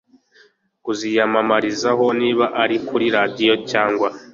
kuziyamamarizaho niba ari kuri radiyo cyangwa